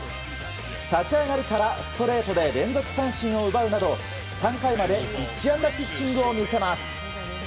立ち上がりからストレートで連続三振を奪うなど３回まで１安打ピッチングを見せます。